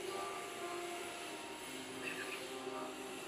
是印度毛主义共产主义中心前领袖。